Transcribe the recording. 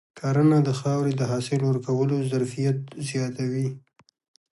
کرنه د خاورې د حاصل ورکولو ظرفیت زیاتوي.